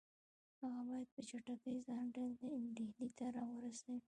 هغه باید په چټکۍ ځان ډهلي ته را ورسوي.